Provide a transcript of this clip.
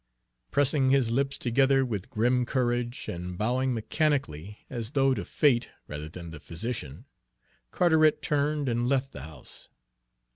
Pressing his lips together with grim courage, and bowing mechanically, as though to Fate rather than the physician, Carteret turned and left the house.